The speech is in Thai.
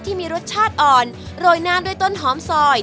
ที่มีรสชาติอ่อนโรยน้ำด้วยต้นหอมซอย